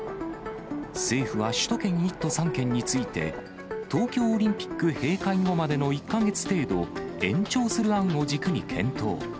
政府は首都圏１都３県について、東京オリンピック閉会後までの１か月程度、延長する案を軸に検討。